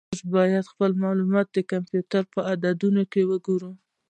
موږ باید خپل معلومات کمپیوټر ته په عددونو کې ورکړو.